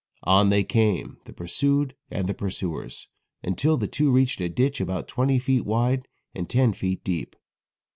On they came, the pursued and pursuers, until the two reached a ditch about twenty feet wide and ten feet deep.